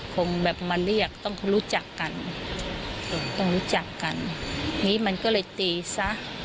คงแบบมาเรียกต้องรู้จักกันต้องรู้จักกันนี้มันก็เลยตีซะ